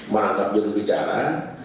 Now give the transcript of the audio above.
merangkap juru bicara